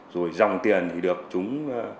rồi dòng tiền thì được chúng